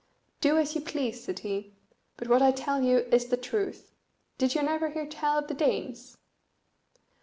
"Do as you please," said he, "but what I tell you is the truth. Did you never hear tell of the Danes?"